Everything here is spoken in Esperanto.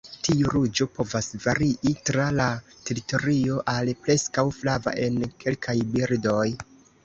Tiu ruĝo povas varii tra la teritorio al preskaŭ flava en kelkaj birdoj.